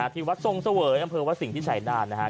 ที่วัดทรงเสเวย์อำเภอวัดสิงที่ฉายด่านนะฮะ